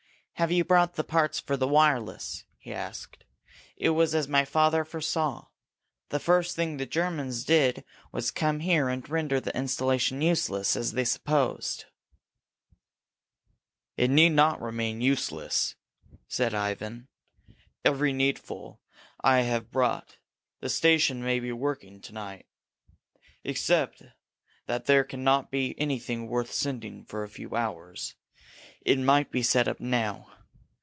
"Have you brought the parts for the wireless?" he asked. "It was as my father foresaw. The first thing the Germans did was to come here and render the installation useless, as they supposed." "It need not remain useless," said Ivan. "Everything needful I have brought. The station may be working by to night. Except that there can not be anything worth sending for a few hours, it might be set up now.